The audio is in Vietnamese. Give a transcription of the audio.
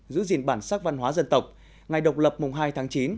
giữ gìn bản sắc văn hóa dân tộc ngày độc lập mùng hai tháng chín